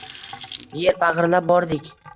Er bag`irlab bordik